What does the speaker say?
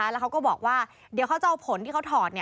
แล้วเขาก็บอกว่าเดี๋ยวเขาจะเอาผลที่เขาถอด